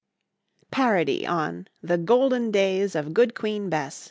PARODY ON "The Golden Days of good Queen Bess."